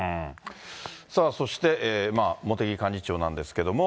そして茂木幹事長なんですけども。